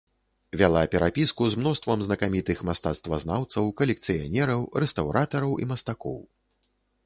Вяла перапіску з мноствам знакамітых мастацтвазнаўцаў, калекцыянераў, рэстаўратараў і мастакоў.